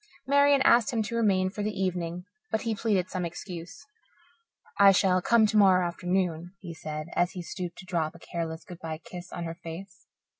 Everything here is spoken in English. Marian asked him to remain for the evening, but he pleaded some excuse. "I shall come tomorrow afternoon," he said, as he stooped to drop a careless good bye kiss on her face.